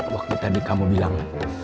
waktu tadi kamu bilang